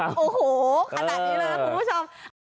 เออเอามาให้ดูกันสนานขำกันไป